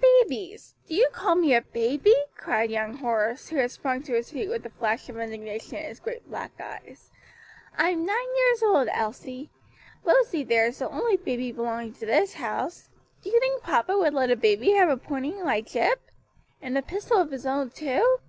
"Babies! do you call me a baby?" cried young Horace, who had sprung to his feet with a flash of indignation in his great black eyes, "I'm nine years old, Elsie. Rosie there's the only baby belonging to this house. Do you think papa would let a baby have a pony like Gip? and a pistol of his own, too?"